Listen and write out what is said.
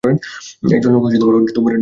একজন লোক হযরত উমরের নিকট গেল।